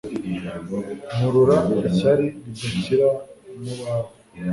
Nkurura ishyari ridakira mubawe